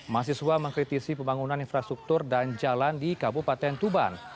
mahasiswa mengkritisi pembangunan infrastruktur dan jalan di kabupaten tuban